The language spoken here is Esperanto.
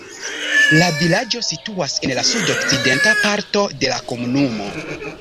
La vilaĝo situas en la sudokcidenta parto de la komunumo.